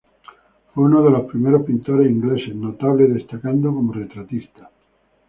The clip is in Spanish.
Fue uno de los primeros pintores ingleses notables, destacando como retratista.